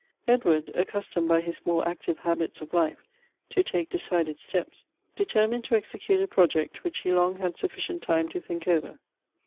Edward, accustomed by his more active habits of life, to take decided steps, determined to execute a project, which he long had sufficient time to think over.